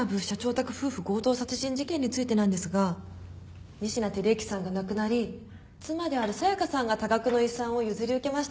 宅夫婦強盗殺人事件についてなんですが仁科輝幸さんが亡くなり妻である紗耶香さんが多額の遺産を譲り受けましたよね。